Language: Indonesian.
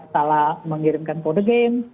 salah mengirimkan kode game